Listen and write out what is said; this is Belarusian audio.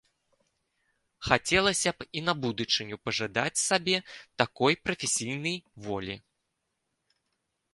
Хацелася б і на будучыню пажадаць сабе такой прафесійнай волі.